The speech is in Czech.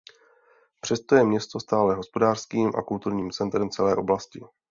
Přesto je město stále hospodářským a kulturním centrem celé oblasti.